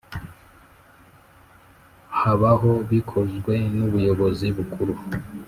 Habaho bikozwe n ubuyobozi bukuru